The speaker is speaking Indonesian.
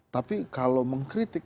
tapi kalau mengkritik